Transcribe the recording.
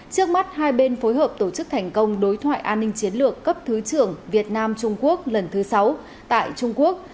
trước mắt hai bên phối hợp tổ chức thành công đối thoại an ninh chiến lược cấp thứ trưởng việt nam trung quốc lần thứ sáu tại trung quốc